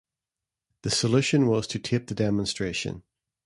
The solution was to tape the demonstration.